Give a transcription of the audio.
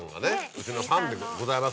うちのファンでございますから。